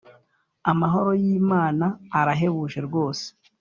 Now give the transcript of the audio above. Amahoro y’ Imana arahebuje rwose.